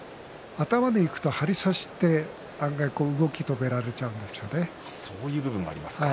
頭でいくとは張り差しで案外、動きを止められちゃうんですよね。